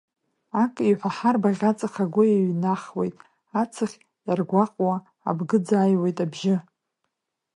Акиҳәа ҳарбаӷь аҵых агәы еиҩнахуеит, ацхь иаргәаҟуа абгыӡааҩуеит абжьы.